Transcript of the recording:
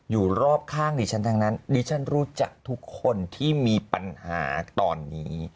อยู่รอบข้างดิฉันทั้งนั้นดิฉันรู้จักทุกคนที่มีปัญหาตอนนี้